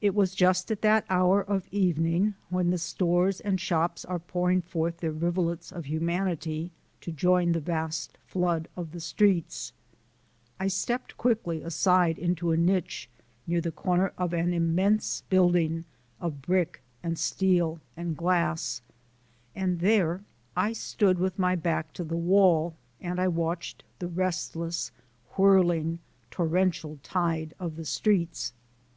It was just at that hour of evening when the stores and shops are pouring forth their rivulets of humanity to join the vast flood of the streets. I stepped quickly aside into a niche near the corner of an immense building of brick and steel and glass, and there I stood with my back to the wall, and I watched the restless, whirling, torrential tide of the streets.